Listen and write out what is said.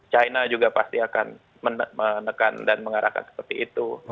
china juga pasti akan menekan dan mengarahkan seperti itu